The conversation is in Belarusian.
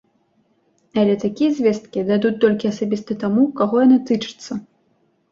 Але такія звесткі дадуць толькі асабіста таму, каго яны тычацца.